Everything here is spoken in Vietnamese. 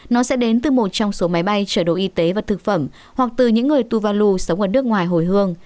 nó sẽ đến từ một trong số máy bay trợ đồ y tế và thực phẩm hoặc từ những người tuvalu sống ở nước ngoài hồi hương